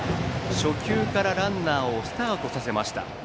初球からランナーをスタートさせました